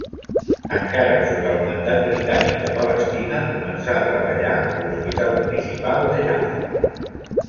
Encara sota el Mandat Britànic de Palestina començà a treballar a l'Hospital Municipal de Jaffa.